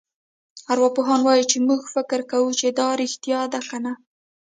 ارواپوهان وايي چې موږ فکر کوو چې دا رېښتیا دي کنه.